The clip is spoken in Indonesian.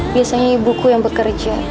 biasanya ibuku yang bekerja